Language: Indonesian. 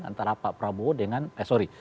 antara pak prabowo dengan eh sorry